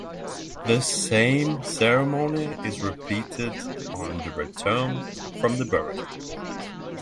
The same ceremony is repeated on the return from the burial.